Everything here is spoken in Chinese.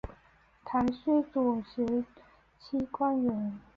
唐玄宗时期官员。